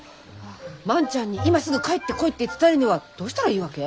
万ちゃんに今すぐ帰ってこいって伝えるにはどうしたらいいわけ？